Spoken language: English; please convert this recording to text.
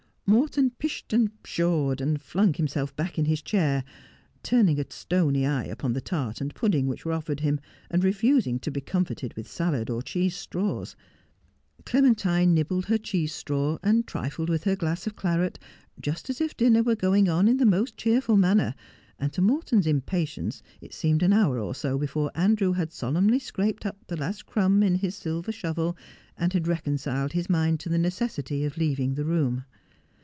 Morton pished and pshawed, and flung himself back in his chair, turning a stony eye upon the tart and pudding which were offered him, and refusing to be comforted with salad or cheese straws. Clementine nibbled her cheese straw, and trifled with her glass of claret, just as if dinner were going on in the most cheerful manner ; and to Morton's impatience it seemed an hour or so before Andrew had solemnly scraped up the last crumb in his silver shovel, and had reconciled his mind to the necessity of leaving the room.